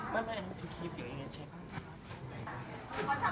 ขอขอบคุณหน่อยนะคะ